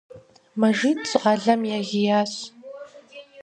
Мэжид щӀалэм егиящ.